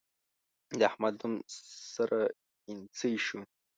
د احمد نوم سره اينڅۍ شو.